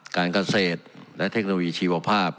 การเกษตรและเทคโนโลยีชีวภาพ